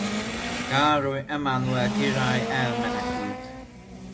Károly Emánuel király elmenekült.